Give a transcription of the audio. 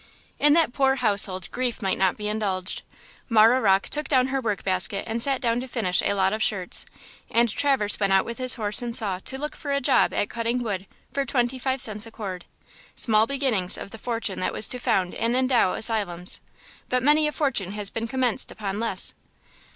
In that poor household grief might not be indulged. Marah Rocke took down her work basket and sat down to finish a lot of shirts, and Traverse went out with his horse and saw to look for a job at cutting wood for twenty five cents a cord. Small beginnings of the fortune that was to found and endow asylums! but many a fortune has been commenced upon less!